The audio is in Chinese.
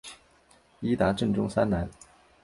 伊达政宗三男。